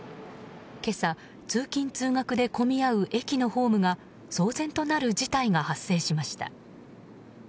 今朝、通勤・通学で混み合う駅のホームが騒然となる事態が発生しました。